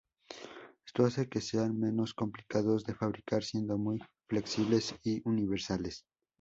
Esto hace que sean menos complicados de fabricar siendo muy flexibles y universales.